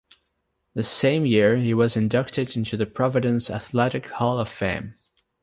The same year he was inducted into the Providence Athletic Hall of Fame.